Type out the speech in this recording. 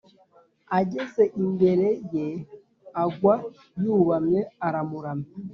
ageze imbere ye agwa yubamye aramuramya.